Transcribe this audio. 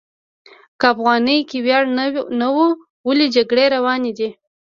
که افغانیت کې ویاړ نه و، ولې جګړې روانې دي؟